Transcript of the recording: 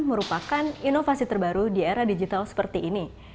merupakan inovasi terbaru di era digital seperti ini